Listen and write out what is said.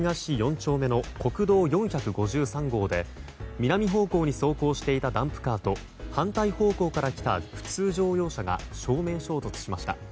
丁目の国道４５３号で、南方向に走行していたダンプカーと反対方向から来た普通乗用車が正面衝突しました。